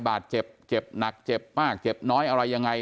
บาดเจ็บเจ็บหนักเจ็บมากเจ็บน้อยอะไรยังไง